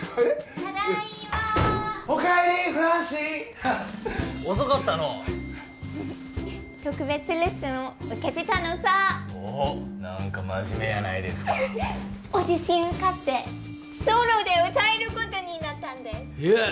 ただいまお帰りフランシー遅かったのう特別レッスンを受けてたのさおッ何か真面目やないですかオーディション受かってソロで歌えることになったんですえッ？